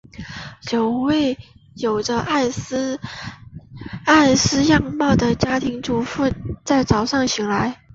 有位有着艾莉丝样貌的家庭主妇在早上醒来。